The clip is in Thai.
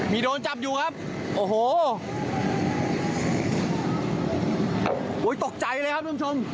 มีโดนจับอยู่ครับโอ้โหตกใจเลยครับท่านผู้ชม